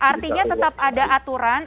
artinya tetap ada aturan